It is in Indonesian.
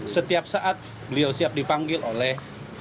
setiap saat beliau siap dipanggil oleh